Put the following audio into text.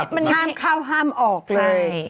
มันห้ามเข้าห้ามออกเลย